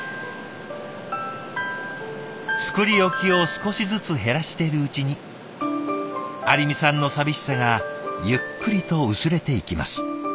作り置きを少しずつ減らしてるうちに有美さんの寂しさがゆっくりと薄れていきます。